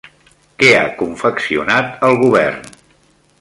Què ha confeccionat el govern?